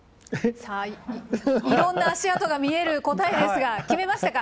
さあいろんな足跡が見える答えですが決めましたか？